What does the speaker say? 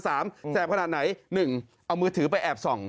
แสบขนาดไหน๑เอามือถือไปแอบส่อง